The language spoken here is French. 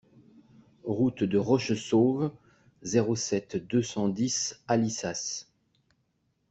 Route de Rochessauve, zéro sept, deux cent dix Alissas